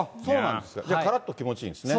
じゃあからっと気持ちいいんですね。